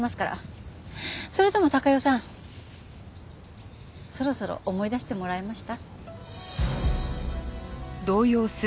それとも貴代さんそろそろ思い出してもらえました？